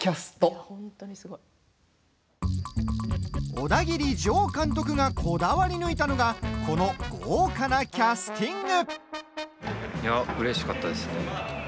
オダギリジョー監督がこだわり抜いたのがこの豪華なキャスティング！